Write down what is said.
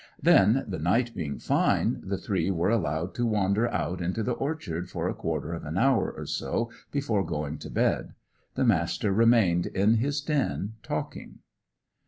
Then, the night being fine, the three were allowed to wander out into the orchard for a quarter of an hour or so before going to bed. The Master remained in his den talking.